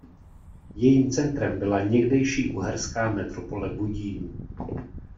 Jejím centrem byla někdejší uherská metropole Budín.